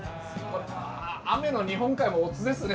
雨の日本海もおつですね。